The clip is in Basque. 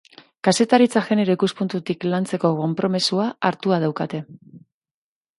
Kazetaritza genero ikuspuntutik lantzeko konpromezua hartua daukate.